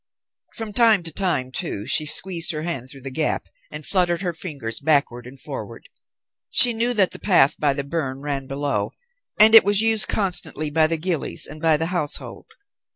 From time to time, too, she squeezed her hand through the gap and fluttered her fingers backward and forward. She knew that the path by the burn ran below, and it was used constantly by the ghillies and by the household.